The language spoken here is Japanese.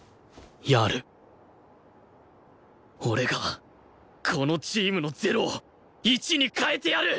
俺がこのチームの０を１に変えてやる！